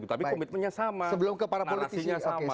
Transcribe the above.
tapi komitmennya sama narasinya sama